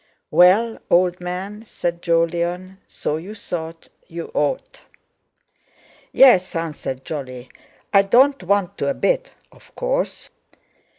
"Well, old man," said Jolyon, "so you thought you ought?" "Yes," answered Jolly; "I don't want to a bit, of course."